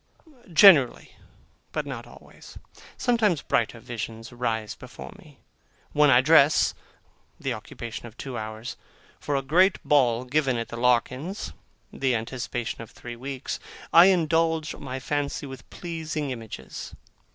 Generally, but not always. Sometimes brighter visions rise before me. When I dress (the occupation of two hours), for a great ball given at the Larkins's (the anticipation of three weeks), I indulge my fancy with pleasing images.